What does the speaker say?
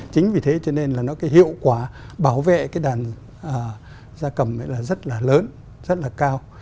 chính vì thế cho nên là nó cái hiệu quả bảo vệ cái đàn da cầm ấy là rất là lớn rất là cao